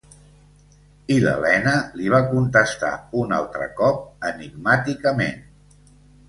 I l'Helena li va contestar un altre cop enigmàticament.